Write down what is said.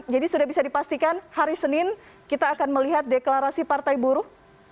jadi sudah bisa dipastikan hari senin kita akan melihat deklarasi partai buruh